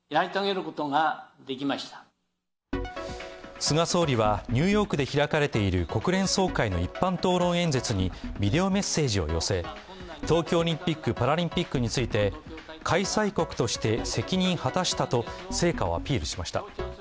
菅総理はニューヨークで開かれている国連総会の一般討論演説にビデオメッセージを寄せ、東京オリンピック・パラリンピックについて開催国として責任を果たしたと成果をアピールしました。